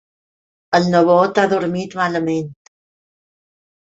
El nebot ha dormit malament.